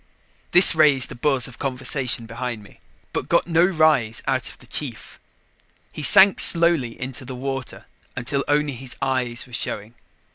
This raised a buzz of conversation behind me, but got no rise out of the chief. He sank slowly into the water until only his eyes were showing.